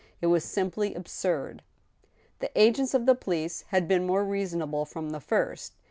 It was simply absurd ! The agents of the police had been more reasonable from the first.